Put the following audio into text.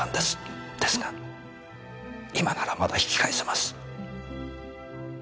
ですが今ならまだ引き返せます。